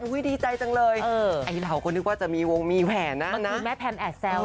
อุ้ยดีใจจังเลยเออไอ้เราก็นึกว่าจะมีวงมีแผนนะนะคือแม่แพนแอดแซวนะ